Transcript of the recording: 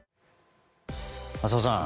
浅尾さん